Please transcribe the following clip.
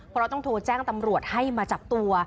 เพราะต้องโทรแจ้งตำรวจให้มาจับตัว